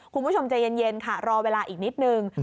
คุณผู้ชมใจเย็นค่ะรอเวลาอีกนิดนึง